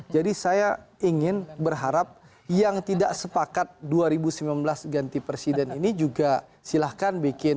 jadi saya ingin berharap yang tidak sepakat dua ribu sembilan belas ganti presiden ini juga silahkan bikin